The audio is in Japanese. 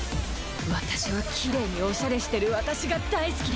私はキレイにおしゃれしてる私が大好きだ。